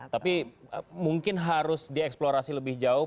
tapi mungkin harus dieksplorasi lebih jauh